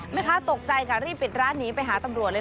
แม่ค้าตกใจค่ะรีบปิดร้านหนีไปหาตำรวจเลย